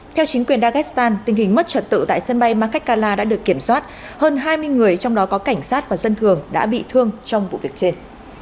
theo chính quyền dagestan tình hình mất trật tự tại sân bay makhachkala đã được kiểm soát hơn hai mươi người trong đó có cảnh sát và dân thường đã bị thương trong vụ việc trên